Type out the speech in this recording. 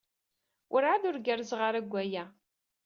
Werɛad ur gerrzeɣ ara deg waya.